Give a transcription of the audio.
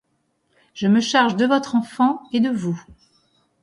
Je me charge de votre enfant et de vous.